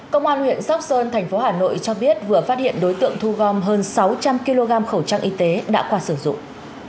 công an huyện sóc sơn thành phố hà nội cho biết vừa phát hiện đối tượng thu gom hơn sáu trăm linh kg khẩu trang y tế đã qua sử dụng